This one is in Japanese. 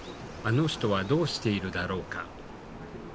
あの人はどうしているだろうか。